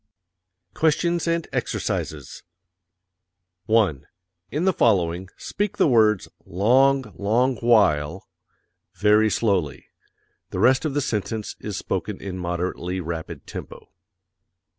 QUESTIONS AND EXERCISES 1. In the following, speak the words "long, long while" very slowly; the rest of the sentence is spoken in moderately rapid tempo.